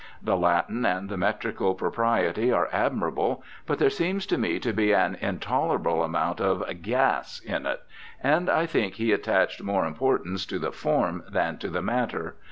The Latin and the metrical propriety are admirable, but there seems to me to be an intolerable amount of " gas " in it, and I think he attached more importance to the form than to the matter.